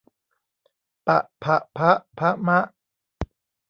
ปะผะพะภะมะ